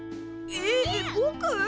えっぼく！？